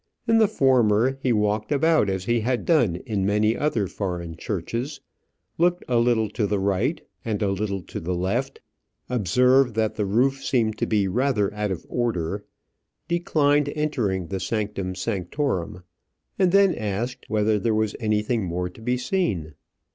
In the former, he walked about as he had done in many other foreign churches, looked a little to the right and a little to the left, observed that the roof seemed to be rather out of order, declined entering the sanctum sanctorum, and then asked whether there was anything more to be seen.